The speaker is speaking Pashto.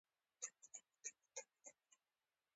زه یو ټوکر لرم.